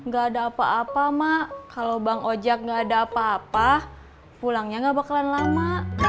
gak ada apa apa mak kalau bank ojek nggak ada apa apa pulangnya gak bakalan lama